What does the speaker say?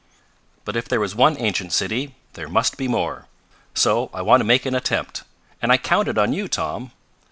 "But if there was one ancient city there must be more. So I want to make an attempt. And I counted on you, Tom.